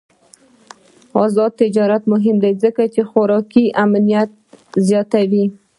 آزاد تجارت مهم دی ځکه چې خوراکي امنیت زیاتوي.